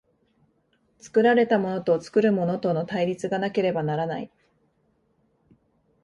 作られたものと作るものとの対立がなければならない。